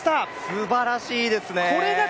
すばらしいですね。